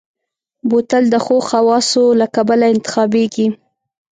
بوتل د ښو خواصو له کبله انتخابېږي.